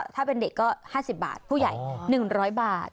ถ้าเป็นเด็กก็๕๐บาทผู้ใหญ่๑๐๐บาท